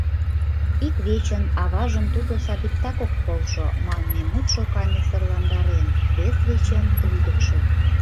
Ик вечын, аважын «Тудо садиктак ок полшо» манме мутшо каньысырландарен, вес вечын, лӱдыкшӧ.